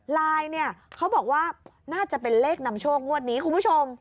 ไลน์เนี่ยเขาบอกว่าน่าจะเป็นเลขนำโชคงวดนี้คุณผู้ชม